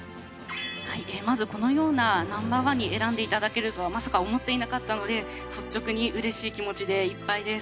はいまずこのようなＮｏ．１に選んでいただけるとはまさか思っていなかったので率直にうれしい気持ちでいっぱいです。